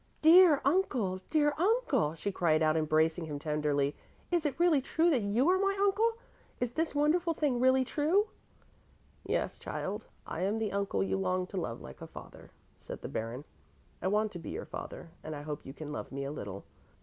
"Dear uncle, dear uncle!" she cried out, embracing him tenderly. "Is it really true that you are my uncle? Is this wonderful thing really true?" "Yes, child, I am the uncle you longed to love like a father," said the Baron. "I want to be your father and I hope you can love me a little.